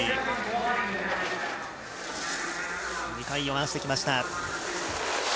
２回、回してきました。